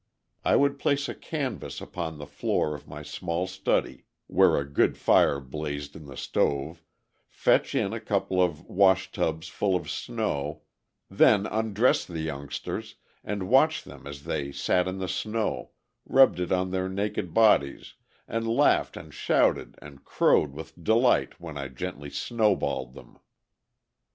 I would place a canvas upon the floor of my small study, where a good fire blazed in the stove, fetch in a couple of washtubs full of snow, then undress the youngsters, and watch them as they sat in the snow, rubbed it on their naked bodies and laughed and shouted and crowed with delight when I gently snowballed them.